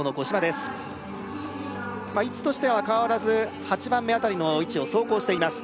まあ位置としては変わらず８番目あたりの位置を走行しています